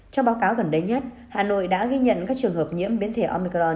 trong báo cáo gần đây nhất hà nội đã ghi nhận các trường hợp nhiễm biến thể omicron